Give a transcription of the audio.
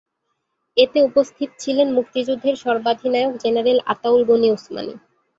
এতে উপস্থিত ছিলেন মুক্তিযুদ্ধের সর্বাধিনায়ক জেনারেল আতাউল গণি ওসমানী।